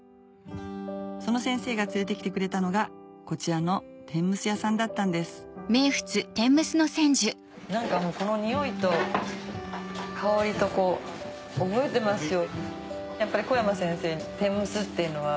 その先生が連れてきてくれたのがこちらの天むす屋さんだったんです何かこの匂いと香りと覚えてますよ。